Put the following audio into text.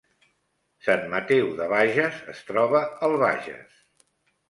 Sant Mateu de Bages es troba al Bages